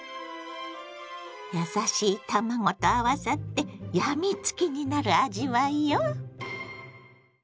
優しい卵と合わさって病みつきになる味わいよ。